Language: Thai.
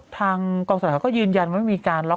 ทางกองสลากก็ยืนยันว่าไม่มีการล็อก